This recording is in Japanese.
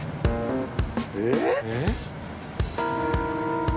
え？